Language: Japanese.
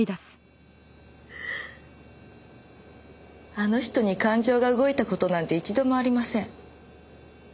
あの人に感情が動いた事なんて一度もありません。